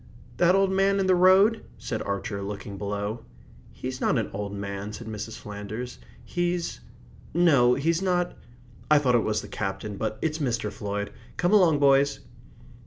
"That old man in the road?" said Archer, looking below. "He's not an old man," said Mrs. Flanders. "He's no, he's not I thought it was the Captain, but it's Mr. Floyd. Come along, boys."